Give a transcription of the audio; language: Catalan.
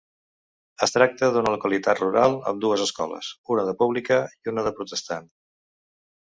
Es tracta d'una localitat rural amb dues escoles: una de pública i una de protestant.